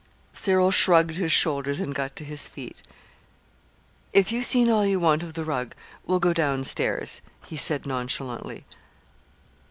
Cyril shrugged his shoulders and got to his feet. "If you've seen all you want of the rug we'll go down stairs," he said nonchalantly.